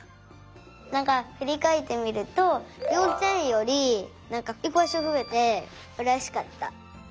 なんかふりかえってみるとようちえんよりなんかいくばしょふえてうれしかった。